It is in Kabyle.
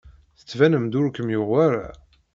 Tettbanem-d ur ken-yuɣ wara.